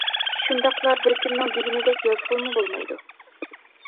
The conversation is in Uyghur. شۇنداقلا بىر كىمنىڭ دېگىنىدەك يازغىلىمۇ بولمايدۇ.